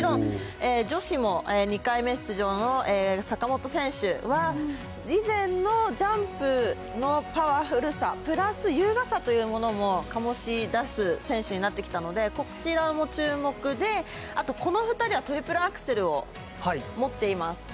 もちろん、女子も２回目出場の坂本選手は、以前のジャンプのパワフルさプラス、優雅さというものも醸し出す選手になってきたので、こちらも注目で、あと、この２人はトリプルアクセルを持っています。